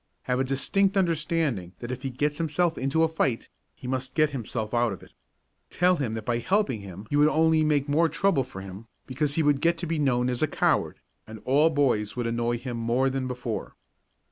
Have a distinct understanding that if he gets himself into a fight, he must get himself out of it. Tell him that by helping him you would only make more trouble for him because he would get to be known as a coward, and all the boys would annoy him more than before.